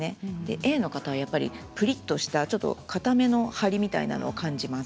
Ａの方は、やっぱりプリッとしたかための張りみたいなのを感じます。